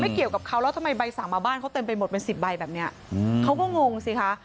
เกี่ยวกับเขาแล้วทำไมใบสั่งมาบ้านเขาเต็มไปหมดเป็นสิบใบแบบนี้เขาก็งงสิคะ